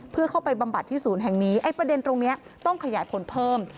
เพื่อเข้าไปบำบัดที่ศูนย์แห่งนี้ไอ้ประเด็นตรงนี้ต้องขยายผลเพิ่ม